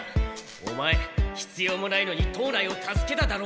オマエ必要もないのに藤内を助けただろ。